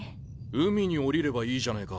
海に降りればいいじゃねえか。